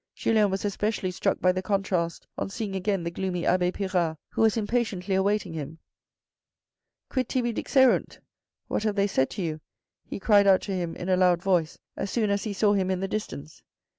Julien was especially struck by the contrast on seeing again the gloomy abbe Pirard, who was impatiently awaiting him. " Quid tibi dixerunt (What have they said to you) ?" he cried out to him in a loud voice as soon as he saw him in the THE FIRST PROMOTION 315 distance.